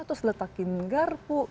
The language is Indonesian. terus letakin garpu